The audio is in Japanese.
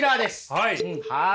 はい。